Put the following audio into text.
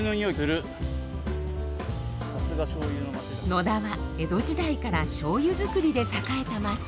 野田は江戸時代からしょうゆ造りで栄えた町。